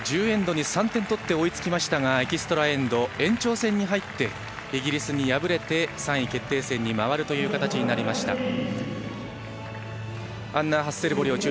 １０エンドに３点取って追いつきましたがエキストラエンド延長戦に入ってイギリスに敗れて３位決定戦に回る形になりました。